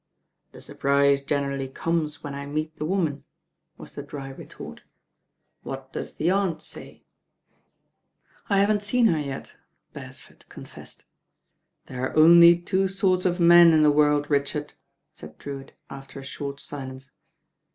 "The surprise generally comes when I meet the woman," was the dry retort. "What does the Aunt say?" LORD DREWITTS PERPLEXITIES 89 "I haven't seen her yet," Beresford confessed. "There are only two sorts of men in the world, Richard," said Drewitt after a short silence.